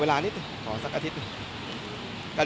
ขอเวลานิดหน่อยขอสักอาทิตย์หน่อย